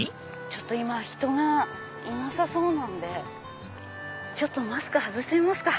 今人がいなさそうなのでちょっとマスク外してみますか。